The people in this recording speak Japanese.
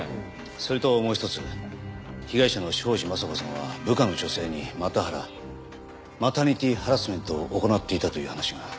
それともう一つ被害者の庄司雅子さんは部下の女性にマタハラマタニティハラスメントを行っていたという話が。